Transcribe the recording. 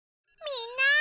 みんな！